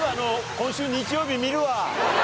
今週日曜日見るわ。